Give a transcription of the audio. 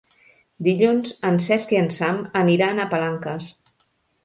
Dilluns en Cesc i en Sam aniran a Palanques.